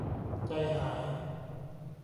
ใจหาย